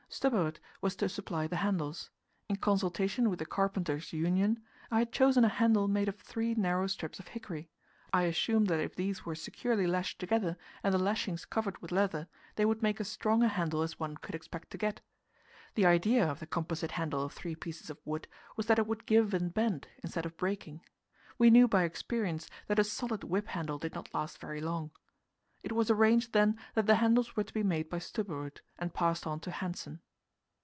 Stubberud was to supply the handles. In consultation with the "Carpenters' Union," I had chosen a handle made of three narrow strips of hickory. I assumed that if these were securely lashed together, and the lashings covered with leather, they would make as strong a handle as one could expect to get. The idea of the composite handle of three pieces of wood was that it would give and bend instead of breaking. We knew by experience that a solid whip handle did not last very long. It was arranged, then, that the handles were to be made by Stubberud, and passed on to Hanssen.